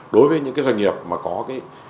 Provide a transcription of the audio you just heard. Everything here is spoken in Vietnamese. đối với những cái doanh nghiệp mà có cái